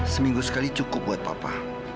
seminggu sekali cukup buat papa